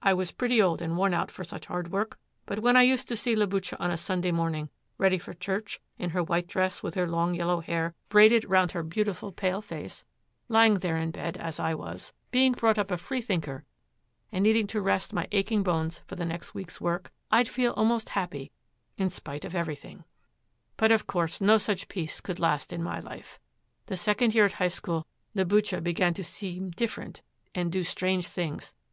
I was pretty old and worn out for such hard work, but when I used to see Liboucha on a Sunday morning, ready for church, in her white dress with her long yellow hair braided round her beautiful pale face, lying there in bed as I was, being brought up a freethinker and needing to rest my aching bones for the next week's work, I'd feel almost happy, in spite of everything. 'But of course no such peace could last in my life; the second year at High School, Liboucha began to seem different and do strange things.